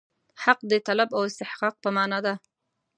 حق د طلب او استحقاق په معنا دی.